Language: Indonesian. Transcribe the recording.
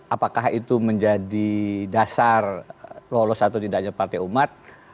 apakah itu menjadi dasar lolos atau tidaknya partai umat